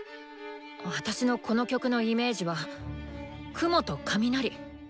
あたしのこの曲のイメージは「雲」と「雷」。